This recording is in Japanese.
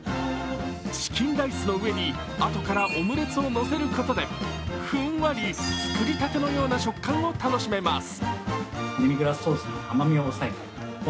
チキンライスの上に、あとからオムレツをのせることでふんわり作りたてのような食感を楽しめます。